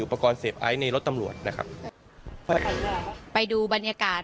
อุปกรณ์เซฟไอ้ในรถตำรวดนะครับไปดูบรรยากาศ